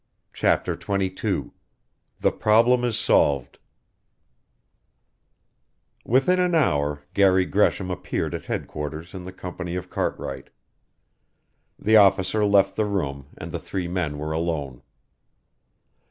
"_ CHAPTER XXII THE PROBLEM IS SOLVED Within an hour Garry Gresham appeared at headquarters in the company of Cartwright. The officer left the room and the three men were alone.